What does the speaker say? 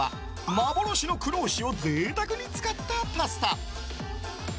幻の黒牛を贅沢に使ったパスタ。